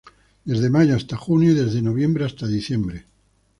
Desde mayo hasta junio y desde noviembre hasta diciembre.